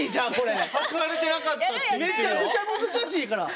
めちゃくちゃ難しいから。